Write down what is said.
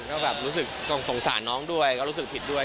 ก็แบบรู้สึกสงสารน้องด้วยก็รู้สึกผิดด้วย